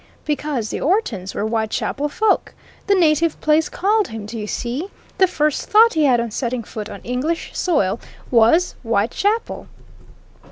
Because the Ortons were Whitechapel folk! The native place called him, do you see? The first thought he had on setting foot on English soil was Whitechapel!"